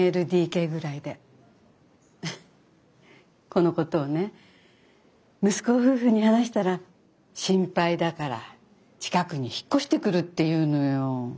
このことをね息子夫婦に話したら心配だから近くに引っ越してくるって言うのよ。